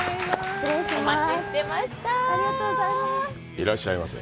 失礼します。